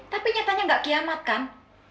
tapi nyatanya nggak kiamat kan